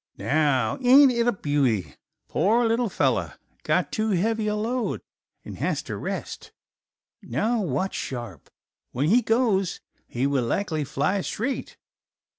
"Now ain't it a beauty? Poor little fellow; got too heavy a load an' has to rest. Now watch sharp; when he goes he will likely fly straight."